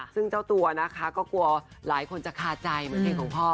ซึ่งเจ้าตัวนะคะก็กลัวหลายคนจะคาใจเหมือนเพลงของพ่อ